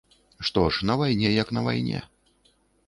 Што ж, на вайне як на вайне.